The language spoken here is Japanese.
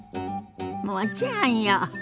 もちろんよ。